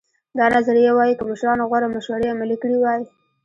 دا نظریه وایي که مشرانو غوره مشورې عملي کړې وای.